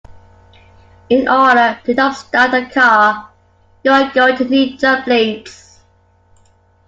In order to jumpstart a car you are going to need jump leads